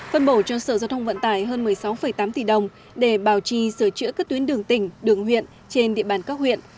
phân bổ cho sở giao thông vận tải hơn một mươi sáu tám tỷ đồng để bảo trì sửa chữa các tuyến đường tỉnh đường huyện trên địa bàn các huyện